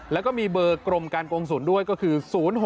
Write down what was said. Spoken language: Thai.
แล้วก็มีเบอร์กรมการกงศูนย์ด้วยก็คือ๐๖